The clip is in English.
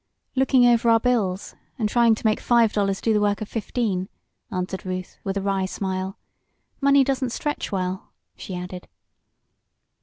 "Looking over our bills, and trying to make five dollars do the work of fifteen," answered Ruth, with a wry smile. "Money doesn't stretch well," she added.